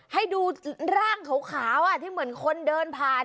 ให้ดูร่างขาวที่เหมือนคนเดินผ่าน